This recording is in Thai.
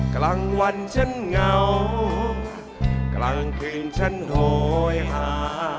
กลางวันฉันเหงากลางคืนฉันโหยหา